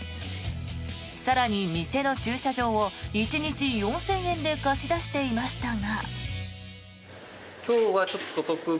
更に店の駐車場を１日４０００円で貸し出していましたが。